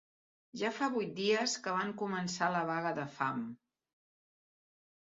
Ja fa vuit dies que van començar la vaga de fam